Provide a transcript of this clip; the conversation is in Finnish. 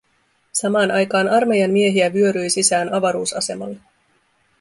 Samaan aikaan armeijan miehiä vyöryi sisään avaruusasemalle.